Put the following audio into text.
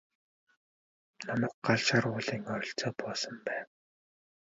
Манайх Галшар уулын ойролцоо буусан байв.